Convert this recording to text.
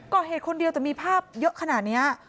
ก่อเหตุคนเดียวแต่มีภาพเยอะขนาดนี้